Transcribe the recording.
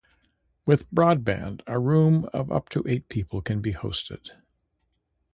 With broadband, a room of up to eight people can be hosted.